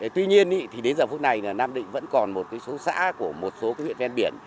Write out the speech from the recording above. tuy nhiên đến giờ phút này nam định vẫn còn một số xã của một số huyện ven biển